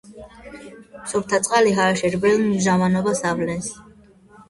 სუფთა წყალში ჰაერი რბილ მჟავიანობას ავლენს.